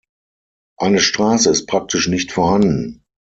Eine Straße ist praktisch nicht vorhanden.